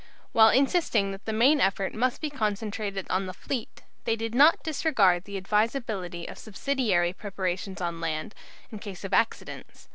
While insisting that the main effort must be concentrated on the fleet, they did not disregard the advisability of subsidiary preparations on land, in case of accidents.